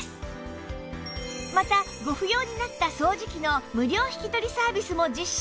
またご不要になった掃除機の無料引き取りサービスも実施